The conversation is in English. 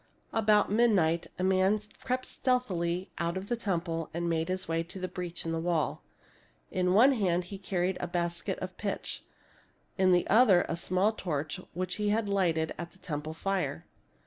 About midnight a man crept stealthily out of the temple and made his way to the breach in the wall. In one hand he carried a basket of pitch, in the other a small torch which he had lighted at the temple fire.